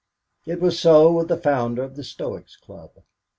It was so with the founder of the Stoics' Club.